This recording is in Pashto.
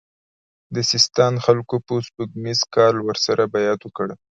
د سیستان خلکو په سپوږمیز کال ورسره بیعت وکړ.